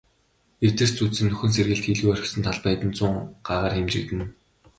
Эвдэрч сүйдсэн, нөхөн сэргээлт хийлгүй орхисон талбай хэдэн зуун гагаар хэмжигдэнэ.